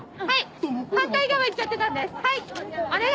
はい。